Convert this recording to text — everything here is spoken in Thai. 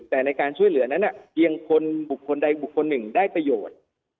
แต่ในการช่วยเหลือนั้นเพียงคนบุคคลใดบุคคลหนึ่งได้ประโยชน์